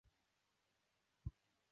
拔灼易怒多疑。